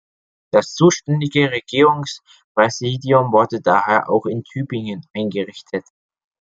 Das zuständige Regierungspräsidium wurde daher auch in Tübingen eingerichtet.